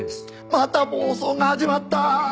また暴走が始まった。